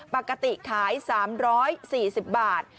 ปกติขาย๓๔๐บาท